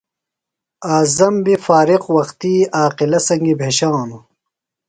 اعظم بیۡ فارغ وختیۡ عاقلہ سنگیۡ بھیشانوۡ۔